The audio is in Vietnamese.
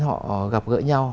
họ gặp gỡ nhau